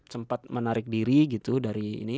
sempat menarik diri gitu dari ini